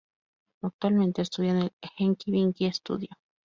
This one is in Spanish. Actualmente estudia en el ""Enki-Benki Studio"".